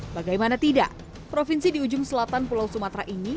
bagaimana tidak provinsi di ujung selatan pulau sumatera ini